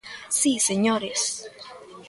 ¡Si, señores!